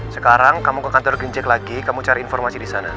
sekarang kamu ke kantor ginjek lagi kamu cari informasi di sana